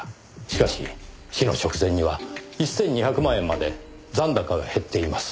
しかし死の直前には１２００万円まで残高が減っています。